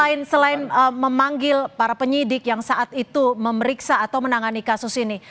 selain memanggil para penyidik yang saat itu memeriksa atau menangani kasus ini